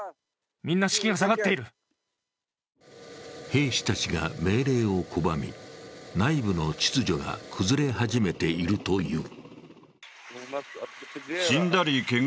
兵士たちが命令を拒み、内部の秩序が崩れ始めているという。